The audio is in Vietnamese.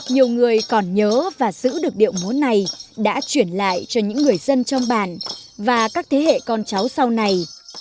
nhiều người còn nhớ và giữ được điệu múa này đã chuyển lại cho những người dân trong bản và các thế hệ con cháu sau này